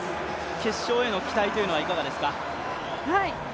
決勝への期待はいかがですか。